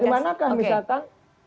dari manakah misalkan